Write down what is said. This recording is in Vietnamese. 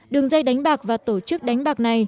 đường dây đánh bạc và tổ chức đánh bạc này